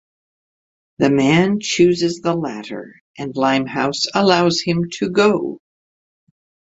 The man chooses the latter and Limehouse allows him to go.